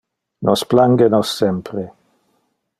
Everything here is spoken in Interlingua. Nos plange nos sempre.